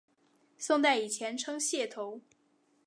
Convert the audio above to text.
宋代以前称解头。